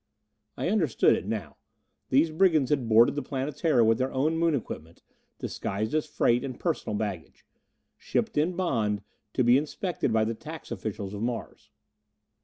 '" I understood it now. These brigands had boarded the Planetara with their own Moon equipment, disguised as freight and personal baggage. Shipped in bond, to be inspected by the tax officials of Mars.